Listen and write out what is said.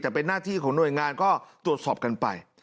แต่เป็นหน้าที่ของหน่วยงานก็ตรวจสอบกันไป